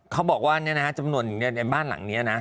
เขาบอกว่าจำนวนหนึ่งในบ้านหลังนี้นะ